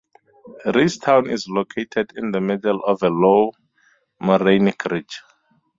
Ridgetown is located in the middle of a low morainic ridge.